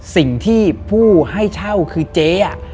สิ่งที่ผู้ให้เช่าคือเจ๊